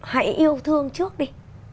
hãy yêu thương trước đi